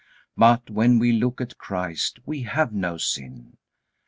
But when we look at Christ, we have no sin.